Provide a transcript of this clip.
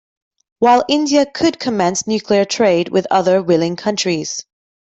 While India could commence nuclear trade with other willing countries.